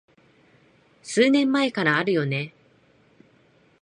数年前からあるよね